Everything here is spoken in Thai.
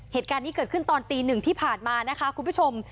เหตุการณ์นี้เกิดขึ้นตอนตีหนึ่งที่ผ่านมานะคะคุณผู้ชม